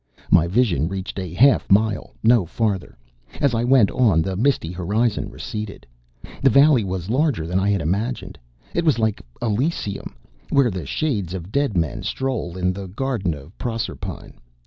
My vision reached a half mile, no farther. As I went on, the misty horizon receded. The valley was larger than I had imagined. It was like Elysium, where the shades of dead men stroll in the Garden of Proserpine.